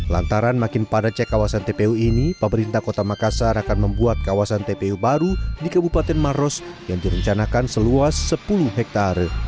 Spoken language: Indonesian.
lantaran makin padat cek kawasan tpu ini pemerintah kota makassar akan membuat kawasan tpu baru di kabupaten maros yang direncanakan seluas sepuluh hektare